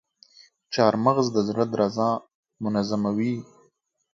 چارمغز د زړه درزا منظموي.